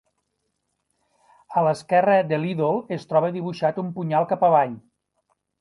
A l'esquerra de l'ídol es troba dibuixat un punyal cap avall.